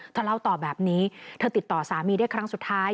เล่าต่อแบบนี้เธอติดต่อสามีได้ครั้งสุดท้าย